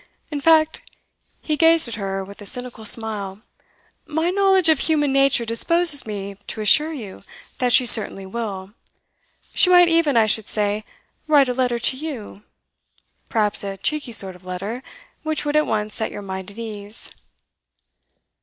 In fact' he gazed at her with a cynical smile 'my knowledge of human nature disposes me to assure you that she certainly will. She might even, I should say, write a letter to you perhaps a cheeky sort of letter, which would at once set your mind at ease.